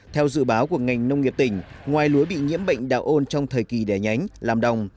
theo dự báo của ngành nông nghiệp tỉnh ngoài lúa bị nhiễm bệnh đạo ôn trong thời kỳ đẻ nhánh làm đồng